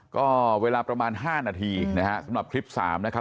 ก็เวลาประมาณ๕นาทีนะฮะสำหรับคลิป๓นะครับ